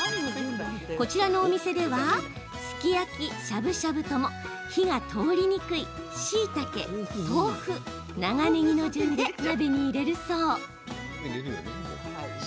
こちらのお店ではすき焼き、しゃぶしゃぶとも火が通りにくいしいたけ、豆腐、長ねぎの順で鍋に入れるそう。